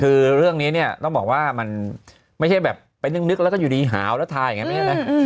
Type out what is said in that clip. คือเรื่องนี้เนี่ยต้องบอกว่ามันไม่ใช่แบบไปนึกแล้วก็อยู่ดีหาวแล้วทาอย่างนี้ไม่ใช่นะ